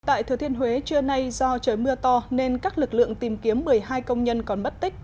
tại thừa thiên huế trưa nay do trời mưa to nên các lực lượng tìm kiếm một mươi hai công nhân còn mất tích